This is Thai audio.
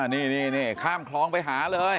นี่ข้ามคลองไปหาเลย